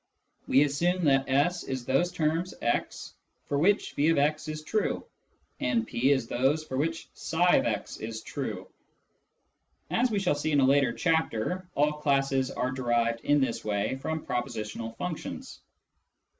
We assume that S is those terms x for which <f>x is true, and P is those for which i/ix is true. (As we shall see in a later chapter, all classes are derived in this way from propositional functions.)